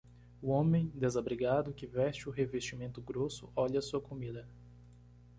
O homem desabrigado que veste o revestimento grosso olha sua comida.